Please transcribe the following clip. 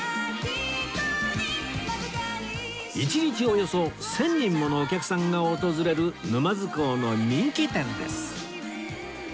一日およそ１０００人ものお客さんが訪れる沼津港の人気店です